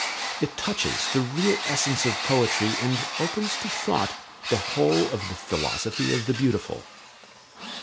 It touches the real essence of poetry and opens to thought the whole of the philosophy of the beautiful.